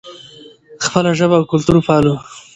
خپله ژبه او کلتور وپالو.